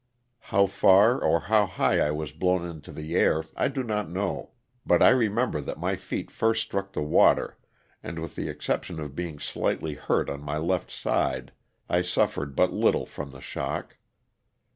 How far or how high I was blown into the air I do not know, but I remember that my feet first struck the water and with the exception of being slightly hurt on my left side I suffered but little from the shock.